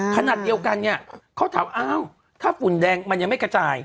ขนาดเดียวกันเนี่ยเขาถามอ้าวถ้าฝุ่นแดงมันยังไม่กระจาย